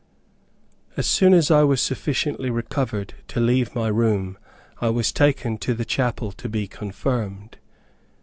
As soon as I was sufficiently recovered to leave my room, I was taken to the chapel to be confirmed.